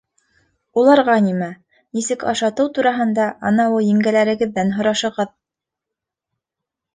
Уларға нимә, нисек ашатыу тураһында анауы еңгәләрегеҙҙән һорашығыҙ.